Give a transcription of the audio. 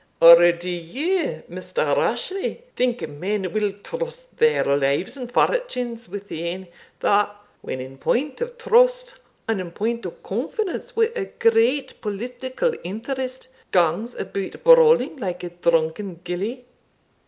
Or do you, Mr Rashleigh, think men will trust their lives and fortunes wi' ane, that, when in point of trust and in point of confidence wi' a great political interest, gangs about brawling like a drunken gillie?